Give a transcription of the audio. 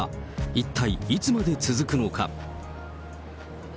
一体いつまで続くのか。